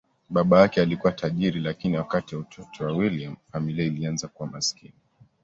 Baba yake alikuwa tajiri, lakini wakati wa utoto wa William, familia ilianza kuwa maskini.